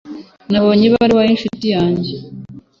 Nabonye ibaruwa yincuti yanjye.